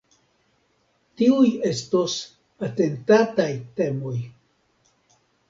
Tiuj estos atentataj temoj.